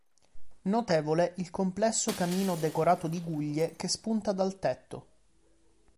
Notevole il complesso camino decorato di guglie che spunta dal tetto.